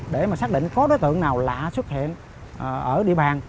để mà xác định có đối tượng nào lạ xuất hiện ở địa bàn